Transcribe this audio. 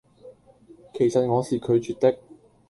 其實我是拒絕的